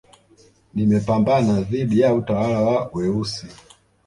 nimepambana dhidi ya utawala wa weusi